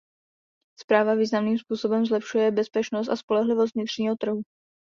Zpráva významným způsobem zlepšuje bezpečnost a spolehlivost vnitřního trhu.